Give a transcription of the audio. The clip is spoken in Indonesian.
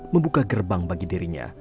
membuka gerbang bagi dirinya